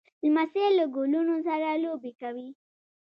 لمسی له ګلونو سره لوبې کوي.